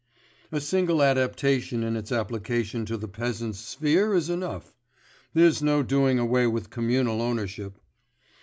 A single adaptation in its application to the peasants' sphere is enough.... There's no doing away with communal ownership!...